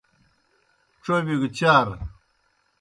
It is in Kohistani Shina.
ڇوبِیو گہ چار۔